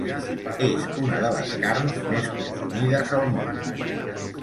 És una de les carns més consumides al món.